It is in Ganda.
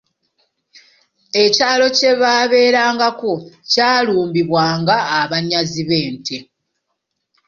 Ekyalo kye baabelangako kyalumbibwanga abanyazi b'ente.